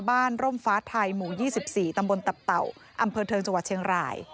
บ้านร่มฟ้าไทยหมู่ยี่สิบสี่ตำบลตับเต่าอำเภอเทิงจังหวัดเชียงราย